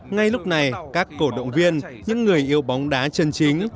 ngay lúc này các cổ động viên những người yêu bóng đá chân chính